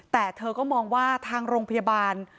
แต่เธอก็มองว่าทางโรงพยาบาล